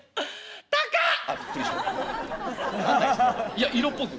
「いや色っぽく」。